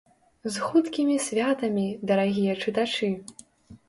З хуткімі святамі, дарагія чытачы!